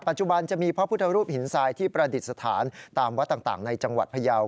จุบันจะมีพระพุทธรูปหินทรายที่ประดิษฐานตามวัดต่างในจังหวัดพยาว